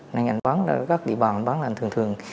nên anh bơm các địa bò anh bơm là anh thường thường